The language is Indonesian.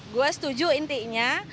gue setuju intinya